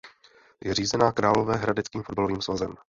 Je řízena Královéhradeckým fotbalovým svazem.